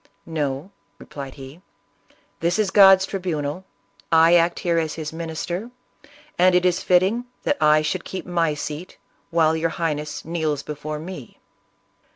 "No," replied he, "this is God's tribunal ; I act here as his minister, and it is fit ting that I should keep my seat while your Highness kneels before me."